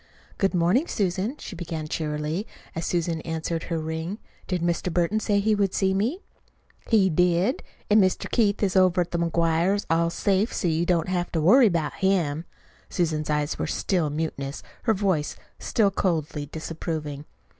"Good morning, Susan," she began cheerily, as Susan answered her ring. "Did Mr. Burton say he would see me?" "He did. And Mr. Keith is over to the McGuires' all safe, so you don't have to worry about him." Susan's eyes were still mutinous, her voice still coldly disapproving.